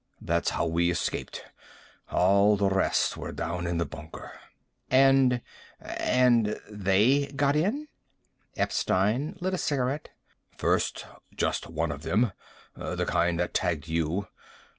"That's how we escaped. All the rest were down in the bunker." "And and they got in?" Epstein lit a cigarette. "First just one of them. The kind that tagged you.